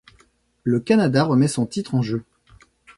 Le Canada remet son titre en jeu.